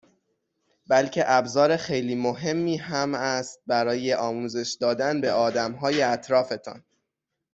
بلکه ابزار خیلی مهمی هم است برای آموزش دادن به آدمهای اطرافتان